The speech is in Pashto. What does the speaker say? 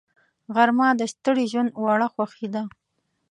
غرمه د ستړي ژوند وړه خوښي ده